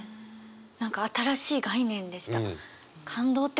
何か新しい概念でした。